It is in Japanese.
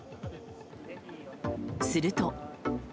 すると。